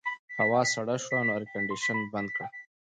هوا سړه شوه نو اېرکنډیشن بند کړه.